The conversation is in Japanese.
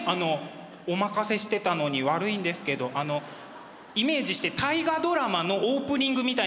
お任せしてたのに悪いんですけどあのイメージして「大河ドラマ」のオープニングみたいな感じだから。